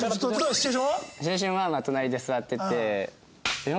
シチュエーションは隣で座ってて。